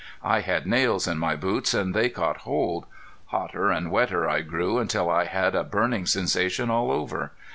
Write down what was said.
I had nails in my boots and they caught hold. Hotter and wetter I grew until I had a burning sensation all over.